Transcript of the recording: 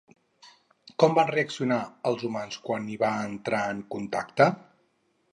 Com van reaccionar els humans quan hi van entrar en contacte?